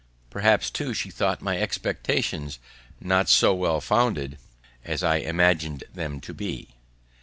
Perhaps, too, she thought my expectations not so well founded as I imagined them to be.